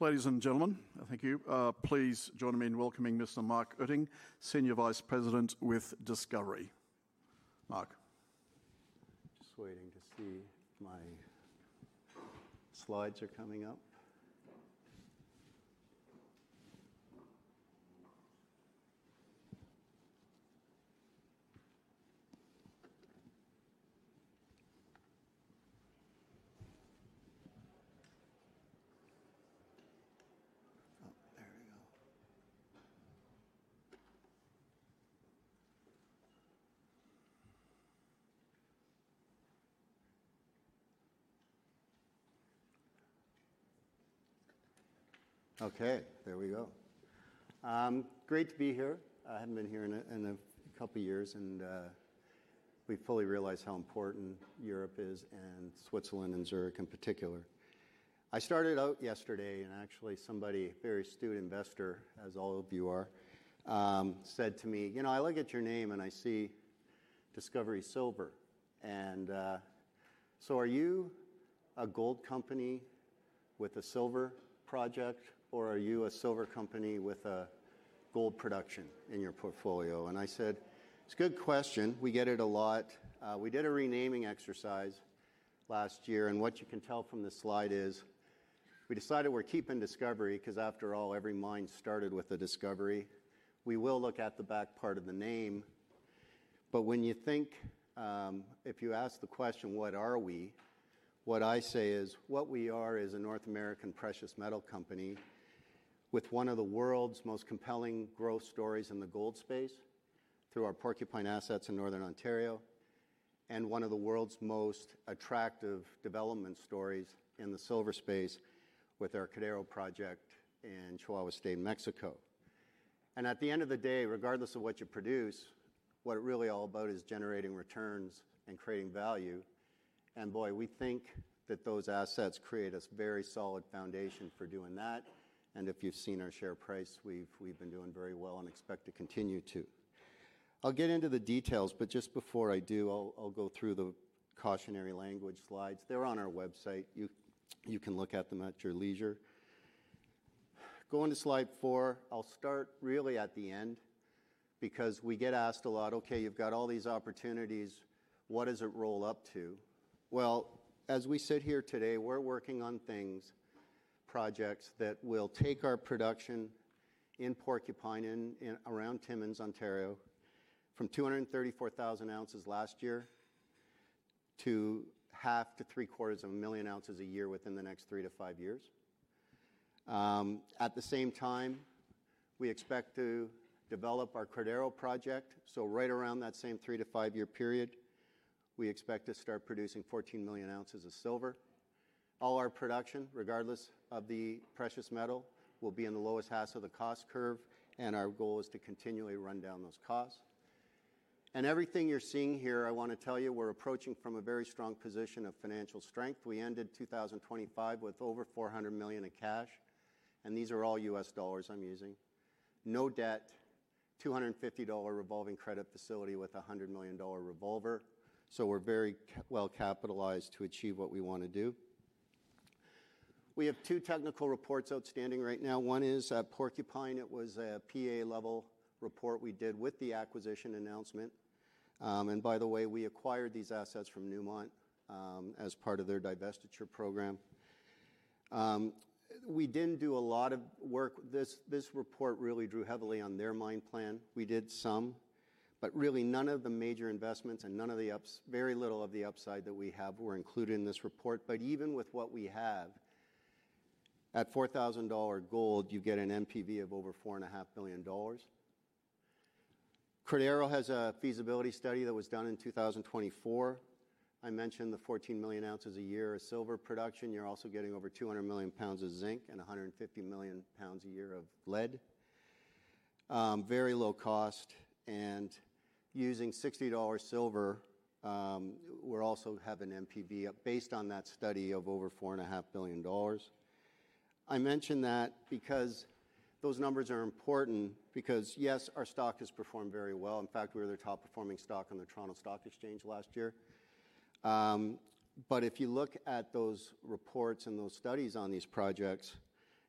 Ladies and gentlemen, thank you. Please join me in welcoming Mr. Mark Utting, Senior Vice President with Discovery. Mark. Just waiting to see if my slides are coming up. Oh, there we go. Okay, there we go. Great to be here. I haven't been here in a couple of years, and we fully realize how important Europe is, and Switzerland and Zurich in particular. I started out yesterday and actually somebody, a very astute investor, as all of you are, said to me, "I look at your name and I see Discovery Silver. Are you a gold company with a silver project, or are you a silver company with a gold production in your portfolio?" I said, "It's a good question. We get it a lot." We did a renaming exercise last year, and what you can tell from this slide is we decided we're keeping Discovery because after all, every mine started with a discovery. We will look at the back part of the name. When you think, if you ask the question, what are we? What I say is, what we are is a North American precious metal company with one of the world's most compelling growth stories in the gold space through our Porcupine assets in northern Ontario and one of the world's most attractive development stories in the silver space with our Cordero project in Chihuahua state in Mexico. At the end of the day, regardless of what you produce, what it really all about is generating returns and creating value. Boy, we think that those assets create a very solid foundation for doing that, and if you've seen our share price, we've been doing very well and expect to continue to. I'll get into the details, but just before I do, I'll go through the cautionary language slides. They're on our website. You can look at them at your leisure. Going to slide four. I'll start really at the end because we get asked a lot, "Okay, you've got all these opportunities. What does it roll up to?" Well, as we sit here today, we're working on things, projects that will take our production in Porcupine and around Timmins, Ontario, from 234,000 ounces last year to half to three-quarters of a million ounces a year within the next three to five years. At the same time, we expect to develop our Cordero project. So right around that same three to five-year period, we expect to start producing 14 million ounces of silver. All our production, regardless of the precious metal, will be in the lowest half of the cost curve, and our goal is to continually run down those costs. Everything you're seeing here, I want to tell you, we're approaching from a very strong position of financial strength. We ended 2025 with over $400 million in cash, and these are all U.S. dollars I'm using. No debt, $250 revolving credit facility with a $100 million revolver. We're very well capitalized to achieve what we want to do. We have two technical reports outstanding right now. One is at Porcupine. It was a PEA-level report we did with the acquisition announcement. By the way, we acquired these assets from Newmont as part of their divestiture program. We didn't do a lot of work. This report really drew heavily on their mine plan. We did some, but really none of the major investments and very little of the upside that we have were included in this report. Even with what we have, at $4,000 gold, you get an NPV of over $4.5 billion. Cordero has a feasibility study that was done in 2024. I mentioned the 14 million ounces a year of silver production. You're also getting over 200 million lbs of zinc and 150 million lbs a year of lead. Very low cost and using $60 silver, we also have an NPV based on that study of over $4.5 billion. I mention that because those numbers are important because, yes, our stock has performed very well. In fact, we were the top-performing stock on the Toronto Stock Exchange last year. If you look at those reports and those studies on these projects,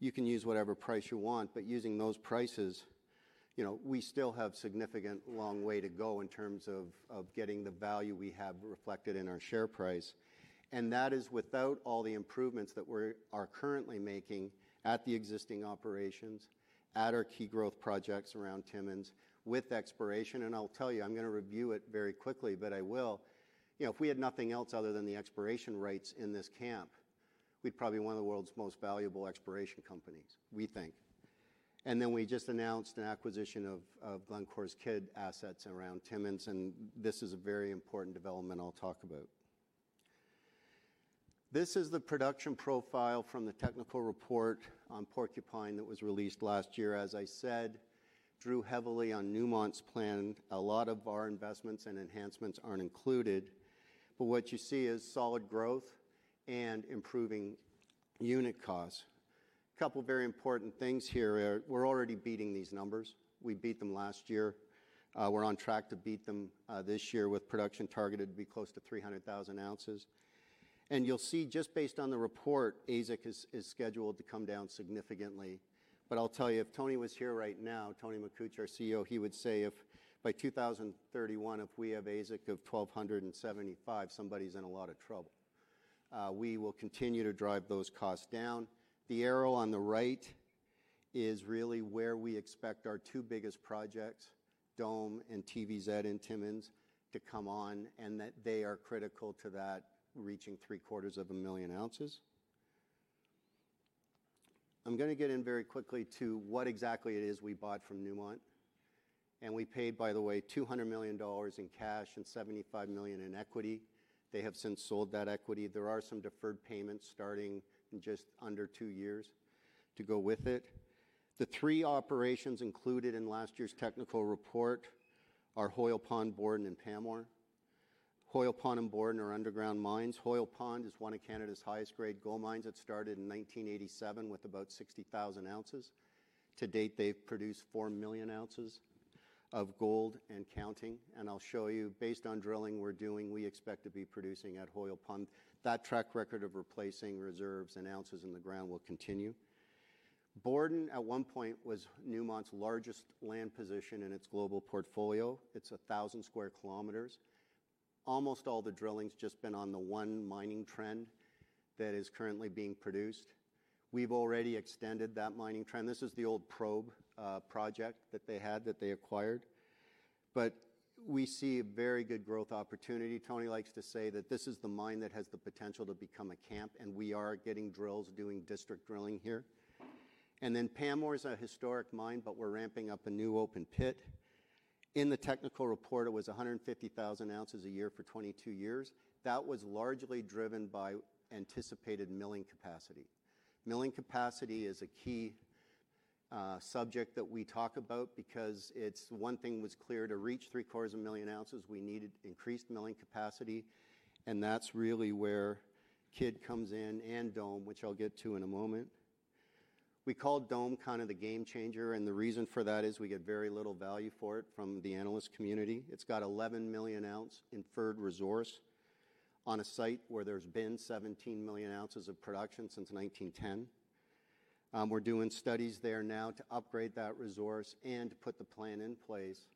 you can use whatever price you want, but using those prices, we still have significant long way to go in terms of getting the value we have reflected in our share price. That is without all the improvements that we are currently making at the existing operations, at our key growth projects around Timmins with exploration. I'll tell you, I'm going to review it very quickly, but I will. If we had nothing else other than the exploration rights in this camp, we'd probably be one of the world's most valuable exploration companies, we think. We just announced an acquisition of Glencore's Kidd assets around Timmins, and this is a very important development I'll talk about. This is the production profile from the technical report on Porcupine that was released last year. As I said, drew heavily on Newmont's plan. A lot of our investments and enhancements aren't included, but what you see is solid growth and improving unit costs. A couple of very important things here are we're already beating these numbers. We beat them last year. We're on track to beat them this year with production targeted to be close to 300,000 ounces. You'll see just based on the report, AISC is scheduled to come down significantly. I'll tell you, if Tony was here right now, Tony Makuch, our CEO, he would say, if by 2031, if we have AISC of $1,275, somebody's in a lot of trouble. We will continue to drive those costs down. The arrow on the right is really where we expect our two biggest projects, Dome and TVZ in Timmins, to come on, and that they are critical to that reaching three quarters of a million ounces. I'm going to get in very quickly to what exactly it is we bought from Newmont, and we paid, by the way, $200 million in cash and $75 million in equity. They have since sold that equity. There are some deferred payments starting in just under two years to go with it. The three operations included in last year's technical report are Hoyle Pond, Borden, and Pamour. Hoyle Pond and Borden are underground mines. Hoyle Pond is one of Canada's highest grade gold mines that started in 1987 with about 60,000 ounces. To date, they've produced 4 million ounces of gold and counting, and I'll show you, based on drilling we're doing, we expect to be producing at Hoyle Pond. That track record of replacing reserves and ounces in the ground will continue. Borden, at one point, was Newmont's largest land position in its global portfolio. It's 1,000 sq km. Almost all the drilling's just been on the one mining trend that is currently being produced. We've already extended that mining trend. This is the old Probe project that they had, that they acquired. We see a very good growth opportunity. Tony likes to say that this is the mine that has the potential to become a camp, and we are getting drills, doing district drilling here. Pamour is a historic mine, but we're ramping up a new open pit. In the technical report, it was 150,000 ounces a year for 22 years. That was largely driven by anticipated milling capacity. Milling capacity is a key subject that we talk about because it's one thing was clear, to reach three quarters a million ounces, we needed increased milling capacity, and that's really where Kidd comes in and Dome, which I'll get to in a moment. We call Dome the game changer, and the reason for that is we get very little value for it from the analyst community. It's got 11 million ounce inferred resource on a site where there's been 17 million ounces of production since 1910. We're doing studies there now to upgrade that resource and put the plan in place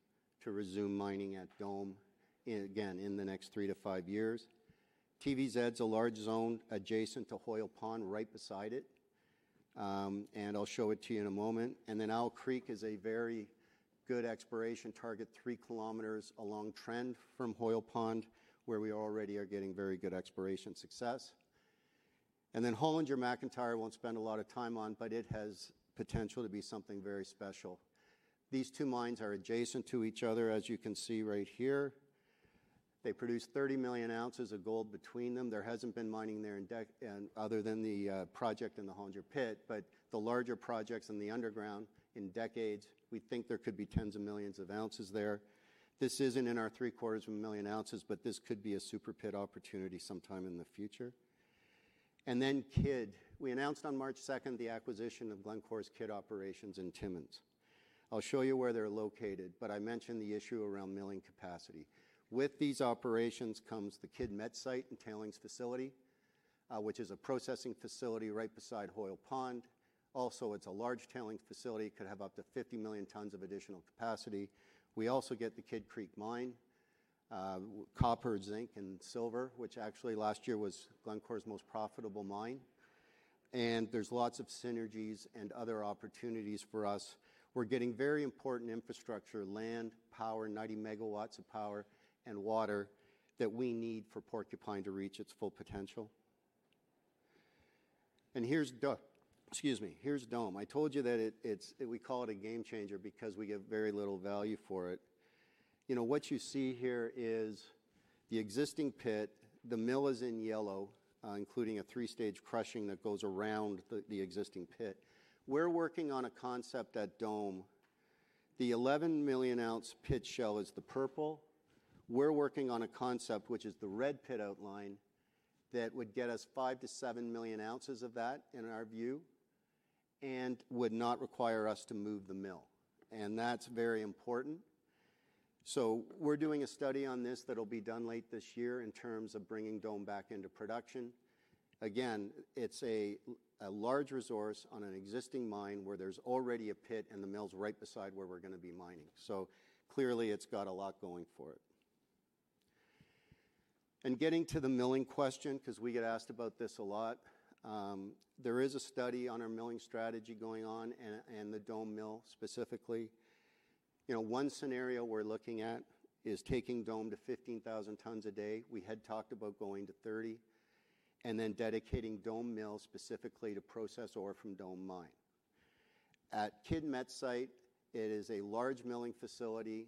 to resume mining at Dome, and again, in the next three to five years. TVZ's a large zone adjacent to Hoyle Pond right beside it, and I'll show it to you in a moment. Owl Creek is a very good exploration target, three km along trend from Hoyle Pond, where we already are getting very good exploration success. Hollinger-McIntyre I won't spend a lot of time on, but it has potential to be something very special. These two mines are adjacent to each other, as you can see right here. They produce 30 million ounces of gold between them. There hasn't been mining there other than the project in the Hollinger pit, but the larger projects in the underground in decades, we think there could be tens of millions of ounces there. This isn't in our three quarters of a million ounces, but this could be a super pit opportunity sometime in the future. Kidd. We announced on March 2nd the acquisition of Glencore's Kidd Operations in Timmins. I'll show you where they're located, but I mentioned the issue around milling capacity. With these operations comes the Kidd Met Site and tailings facility, which is a processing facility right beside Hoyle Pond. Also, it's a large tailings facility. It could have up to 50 million tons of additional capacity. We also get the Kidd Creek Mine, copper, zinc, and silver, which actually last year was Glencore's most profitable mine, and there's lots of synergies and other opportunities for us. We're getting very important infrastructure, land, power, 90 MW of power, and water that we need for Porcupine to reach its full potential. Here's Dome. I told you that we call it a game changer because we get very little value for it. What you see here is the existing pit. The mill is in yellow, including a three-stage crushing that goes around the existing pit. We're working on a concept at Dome. The 11 million-ounce pit shell is the purple. We're working on a concept, which is the red pit outline, that would get us 5 million ounces-7 million ounces of that in our view and would not require us to move the mill. That's very important. We're doing a study on this that'll be done late this year in terms of bringing Dome back into production. Again, it's a large resource on an existing mine where there's already a pit, and the mill's right beside where we're going to be mining. Clearly, it's got a lot going for it. Getting to the milling question, because we get asked about this a lot, there is a study on our milling strategy going on and the Dome Mill specifically. One scenario we're looking at is taking Dome to 15,000 tons a day. We had talked about going to 30 and then dedicating Dome Mill specifically to process ore from Dome Mine. At Kidd Met Site, it is a large milling facility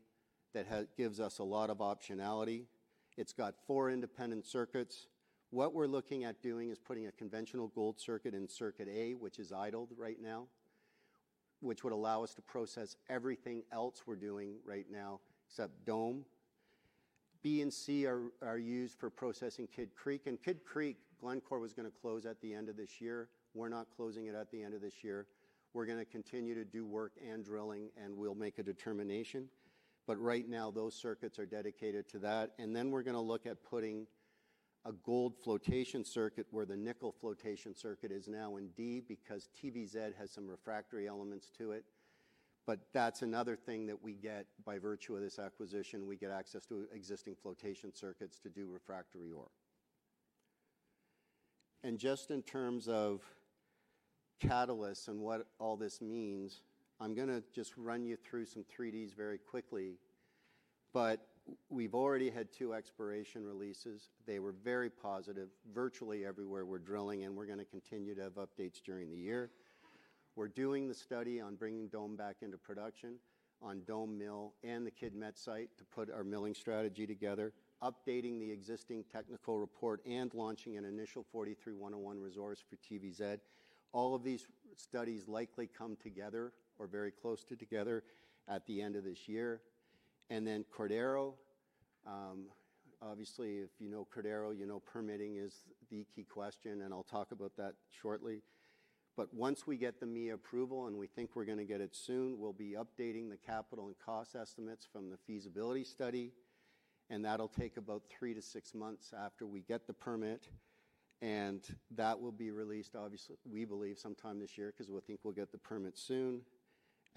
that gives us a lot of optionality. It's got four independent circuits. What we're looking at doing is putting a conventional gold circuit in Circuit A, which is idled right now, which would allow us to process everything else we're doing right now, except Dome. B and C are used for processing Kidd Creek. Kidd Creek, Glencore was going to close at the end of this year. We're not closing it at the end of this year. We're going to continue to do work and drilling, and we'll make a determination. Right now, those circuits are dedicated to that. We're going to look at putting a gold flotation circuit where the nickel flotation circuit is now in D because TVZ has some refractory elements to it. That's another thing that we get by virtue of this acquisition. We get access to existing flotation circuits to do refractory ore. Just in terms of catalysts and what all this means, I'm going to just run you through some 3Ds very quickly, but we've already had two exploration releases. They were very positive. Virtually everywhere we're drilling, and we're going to continue to have updates during the year. We're doing the study on bringing Dome back into production, on Dome Mill and the Kidd Met Site to put our milling strategy together, updating the existing technical report and launching an initial 43-101 resource for TVZ. All of these studies likely come together or very close to together at the end of this year. Cordero, obviously, if you know Cordero, you know permitting is the key question, and I'll talk about that shortly. Once we get the MIA approval, and we think we're going to get it soon, we'll be updating the capital and cost estimates from the feasibility study, and that'll take about three to six months after we get the permit. That will be released, obviously, we believe sometime this year because we think we'll get the permit soon.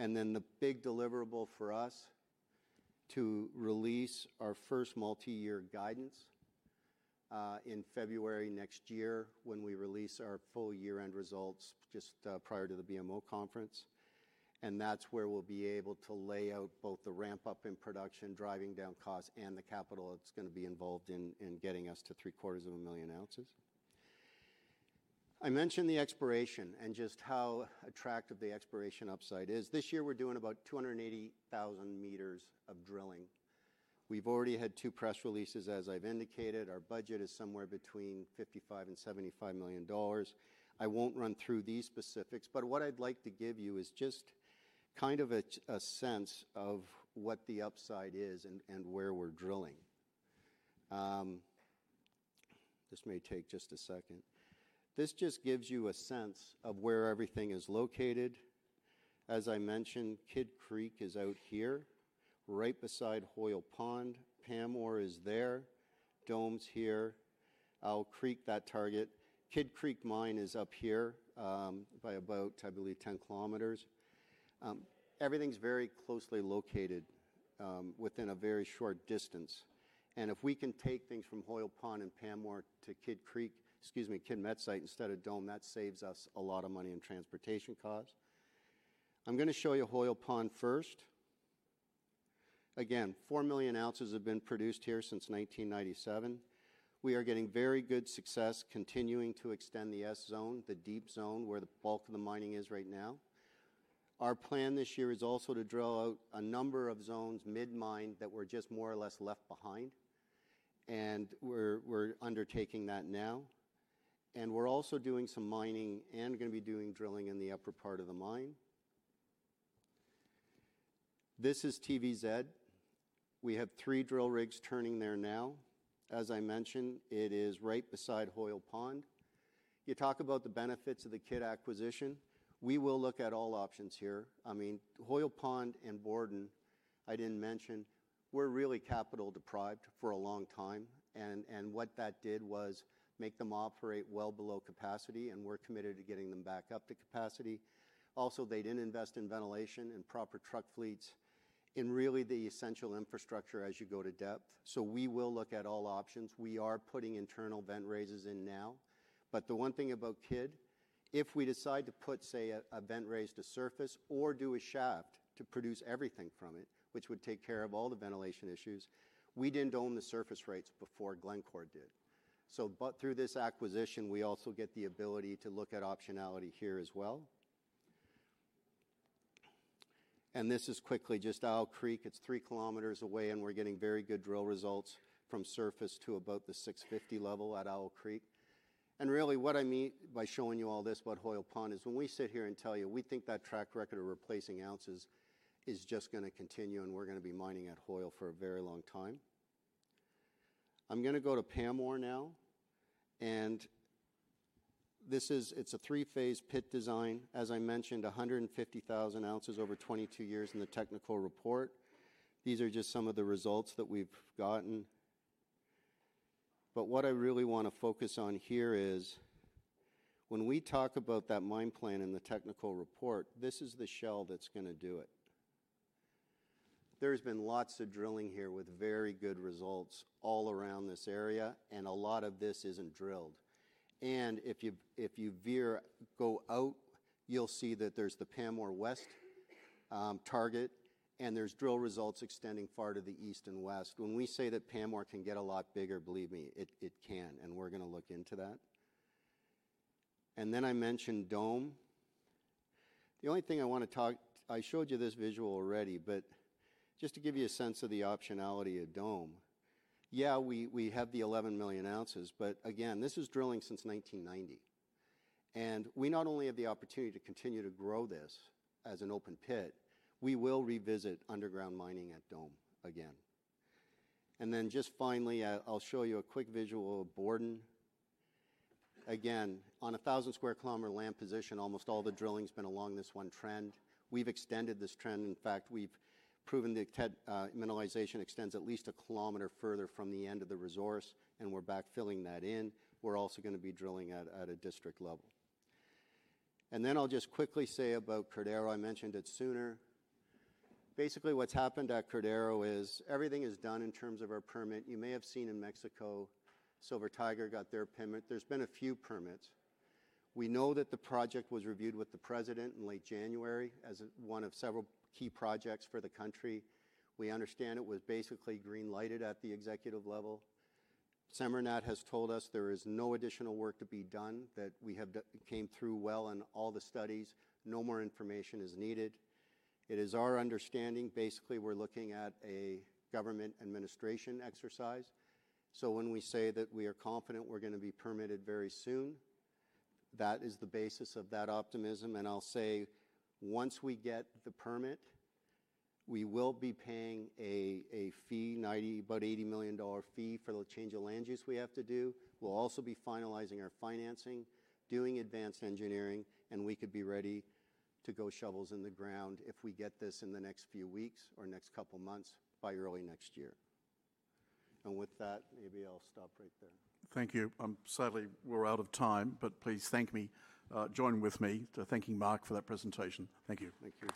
And then the big deliverable for us to release our first multi-year guidance, in February next year when we release our full year-end results just prior to the BMO conference. And that's where we'll be able to lay out both the ramp-up in production, driving down costs, and the capital that's going to be involved in getting us to three quarters of a million ounces. I mentioned the exploration and just how attractive the exploration upside is. This year we're doing about 280,000 meters of drilling. We've already had two press releases, as I've indicated. Our budget is somewhere between $55 million and $75 million. I won't run through these specifics, but what I'd like to give you is just kind of a sense of what the upside is and where we're drilling. This may take just a second. This just gives you a sense of where everything is located. As I mentioned, Kidd Creek is out here right beside Hoyle Pond. Pamour is there. Dome's here. Owl Creek, that target. Kidd Creek Mine is up here, by about, I believe, 10 km. Everything's very closely located within a very short distance, and if we can take things from Hoyle Pond and Pamour to Kidd Creek, excuse me, Kidd Met Site instead of Dome, that saves us a lot of money in transportation costs. I'm going to show you Hoyle Pond first. Again, 4 million ounces have been produced here since 1997. We are getting very good success continuing to extend the S Zone, the deep zone where the bulk of the mining is right now. Our plan this year is also to drill out a number of zones mid-mine that were just more or less left behind, and we're undertaking that now. We're also doing some mining and going to be doing drilling in the upper part of the mine. This is TVZ. We have three drill rigs turning there now. As I mentioned, it is right beside Hoyle Pond. You talk about the benefits of the Kidd acquisition. We will look at all options here. I mean, Hoyle Pond and Borden, I didn't mention, were really capital-deprived for a long time, and what that did was make them operate well below capacity, and we're committed to getting them back up to capacity. Also, they didn't invest in ventilation and proper truck fleets and really the essential infrastructure as you go to depth. We will look at all options. We are putting internal vent raises in now. The one thing about Kidd, if we decide to put, say, a vent raise to surface or do a shaft to produce everything from it, which would take care of all the ventilation issues, we didn't own the surface rights before Glencore did. Through this acquisition, we also get the ability to look at optionality here as well. This is quickly just Owl Creek. It's three km away, and we're getting very good drill results from surface to about the 650 level at Owl Creek. Really what I mean by showing you all this about Hoyle Pond is when we sit here and tell you we think that track record of replacing ounces is just going to continue, and we're going to be mining at Hoyle for a very long time. I'm going to go to Pamour now, and it's a three-phase pit design. As I mentioned, 150,000 ounces over 22 years in the technical report. These are just some of the results that we've gotten. What I really want to focus on here is when we talk about that mine plan in the technical report, this is the shell that's going to do it. There has been lots of drilling here with very good results all around this area, and a lot of this isn't drilled. If you go out, you'll see that there's the Pamour West target. There's drill results extending far to the east and west. When we say that Pamour can get a lot bigger, believe me, it can, and we're going to look into that. I mentioned Dome. I showed you this visual already, but just to give you a sense of the optionality of Dome. Yeah, we have the 11 million ounces. Again, this is drilling since 1990. We not only have the opportunity to continue to grow this as an open pit, we will revisit underground mining at Dome again. Just finally, I'll show you a quick visual of Borden. Again, on 1,000 sq km land position, almost all the drilling's been along this one trend. We've extended this trend. In fact, we've proven the mineralization extends at least a kilometer further from the end of the resource. We're backfilling that in. We're also going to be drilling at a district level. I'll just quickly say about Cordero, I mentioned it sooner. Basically, what's happened at Cordero is everything is done in terms of our permit. You may have seen in Mexico, Silver Tiger got their permit. There's been a few permits. We know that the project was reviewed with the President in late January as one of several key projects for the country. We understand it was basically green-lighted at the executive level. SEMARNAT has told us there is no additional work to be done, that we came through well on all the studies. No more information is needed. It is our understanding, basically, we're looking at a government administration exercise. When we say that we are confident we're going to be permitted very soon, that is the basis of that optimism. I'll say once we get the permit, we will be paying a fee, about $80 million fee for the change of land use we have to do. We'll also be finalizing our financing, doing advanced engineering, and we could be ready to go shovels in the ground if we get this in the next few weeks or next couple of months, by early next year. With that, maybe I'll stop right there. Thank you. Sadly, we're out of time, but please join with me to thanking Mark for that presentation. Thank you. Thank you.